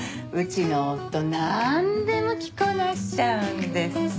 うちの夫なんでも着こなしちゃうんです。